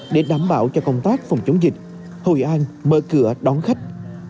để đảm bảo cho công tác phòng chống dịch hội an mở cửa đón khách